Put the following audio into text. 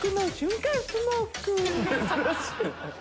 珍しい！